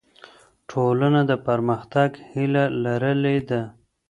ټولنه د پرمختګ هیله لرلې ده.